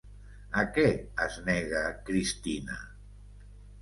A què es nega Cristina?